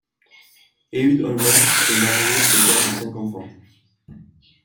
Ehud Olmert est marié et père de cinq enfants.